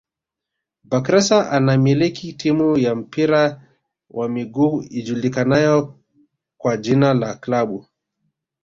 Bakhresa anamiliki timu ya mpira wa miguu ijulikanayo kwa jina la klabu